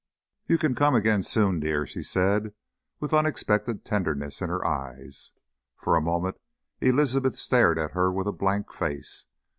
"You can come again soon, dear," she said, with unexpected tenderness in her eyes. For a moment Elizabeth stared at her with a blank face.